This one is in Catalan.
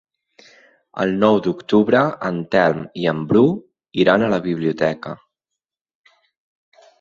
El nou d'octubre en Telm i en Bru iran a la biblioteca.